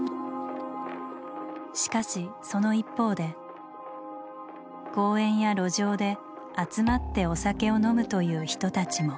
しかしその一方で公園や路上で集まってお酒を飲むという人たちも。